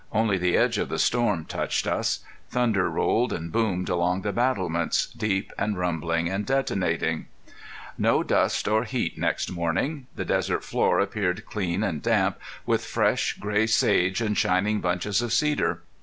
Only the edge of the storm touched us. Thunder rolled and boomed along the battlements, deep and rumbling and detonating. No dust or heat next morning! The desert floor appeared clean and damp, with fresh gray sage and shining bunches of cedar.